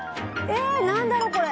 何だろう、これ。